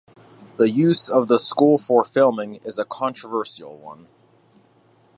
The use of the school for filming is a controversial one.